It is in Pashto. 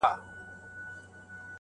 د ډېرو لویو فکرونو پلي کولو ته پرېنښود